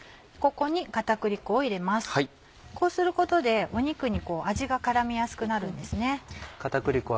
こうすることで肉に味が絡みやすくなるんですね。